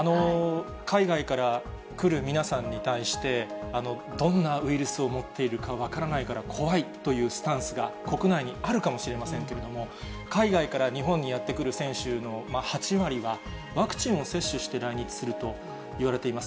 海外から来る皆さんに対して、どんなウイルスを持っているか分からないから怖いというスタンスが国内にあるかもしれませんけれども、海外から日本にやって来る選手の８割は、ワクチンを接種して来日するといわれています。